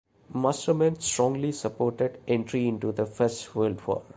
Masterman strongly supported entry into the First World War.